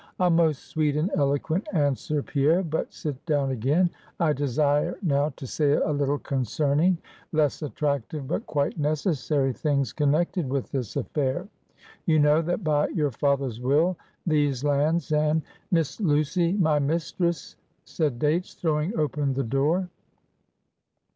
"A most sweet and eloquent answer, Pierre; but sit down again. I desire now to say a little concerning less attractive, but quite necessary things connected with this affair. You know, that by your father's will, these lands and " "Miss Lucy, my mistress;" said Dates, throwing open the door.